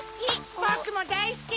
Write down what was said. ボクもだいすき！